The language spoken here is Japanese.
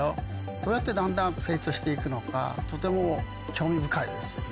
どうやってだんだん成長していくのか、とても興味深いです。